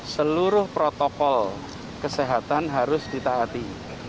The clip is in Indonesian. seluruh protokol kesehatan harus ditaati